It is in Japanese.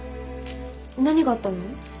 何があったの？